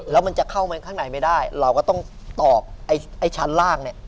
แล้วมันจะเข้ามาข้างในไม่ได้เราก็ต้องตอบไอ้ชั้นล่างเนี่ย